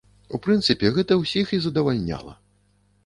У прынцыпе, гэта ўсіх і задавальняла.